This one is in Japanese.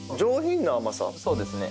そうですね。